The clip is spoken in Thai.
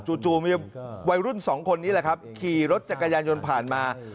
จู่มีวัยรุ่นสองคนนี้แหละครับขี่รถจักรยานยนต์ผ่านมา